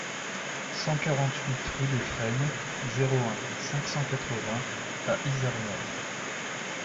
cent quarante-huit rue des Frênes, zéro un, cinq cent quatre-vingts à Izernore